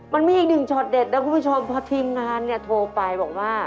มันมีอีกหนึ่งชอบเด็ดแล้วคุณผู้ชมพอทีมงานโทรไปบอกว่า